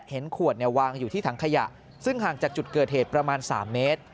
ขวดวางอยู่ที่ถังขยะซึ่งห่างจากจุดเกิดเหตุประมาณ๓เมตร